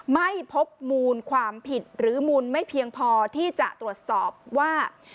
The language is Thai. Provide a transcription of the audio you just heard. ไม่พบมูลความผิดหรือมูลไม่เพียงพอที่จะตรวจสอบว่า